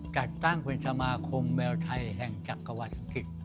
จัดตั้งเป็นสมาคมแมวไทยแห่งจักรวรรสถิก